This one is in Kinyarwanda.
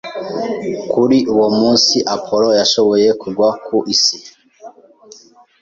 Kuri uwo munsi, Apollo yashoboye kugwa ku isi.